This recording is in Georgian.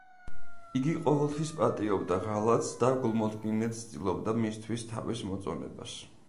იგი ყოველთვის პატიობდა ღალატს და გულმოდგინედ ცდილობდა მისთვის თავის მოწონებას.